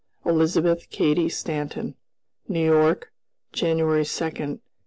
"Elizabeth Cady Stanton. "New York, January 2, 1866."